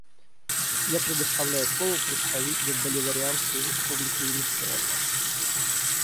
Я предоставляю слово представителю Боливарианской Республики Венесуэла.